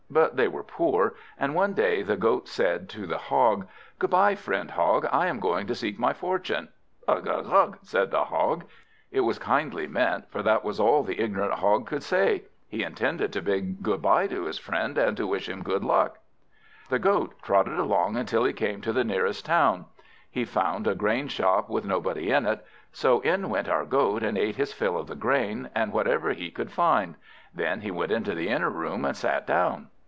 But they were poor, and one day the Goat said to the Hog "Good bye, friend Hog! I am going to seek my fortune." "Ugh! ugh! ugh!" said the Hog. It was kindly meant, for that was all the ignorant Hog could say. He intended to bid good bye to his friend, and to wish him good luck. The Goat trotted along till he came to the nearest town. He found a grain shop with nobody in it; so in went our Goat, and ate his fill of the Grain, and whatever he could find. Then he went into the inner room, and sat down.